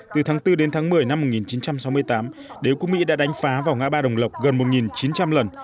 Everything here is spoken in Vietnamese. từ tháng bốn đến tháng một mươi năm một nghìn chín trăm sáu mươi tám đế quốc mỹ đã đánh phá vào ngã ba đồng lộc gần một chín trăm linh lần